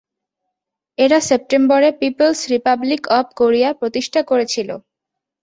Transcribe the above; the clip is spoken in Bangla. এরা সেপ্টেম্বরে পিপলস রিপাবলিক অব কোরিয়া প্রতিষ্ঠা করেছিল।